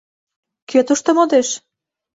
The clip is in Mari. Кӧ тушто модеш?